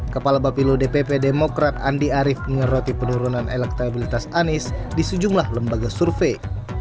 kepala bapilo dpp demokrat andi arief menyeroti penurunan elektabilitas anies di sejumlah lembaga survei